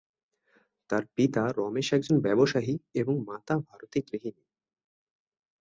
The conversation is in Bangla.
তার পিতা রমেশ একজন ব্যবসায়ী এবং মাতা ভারতী গৃহিণী।